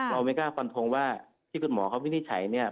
เราไม่กล้าควันทรงว่าที่คุณหมอเขาพิธีใช้เนี่ย